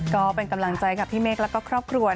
ก็เป็นกำลังใจกับพี่เมฆแล้วก็ครอบครัว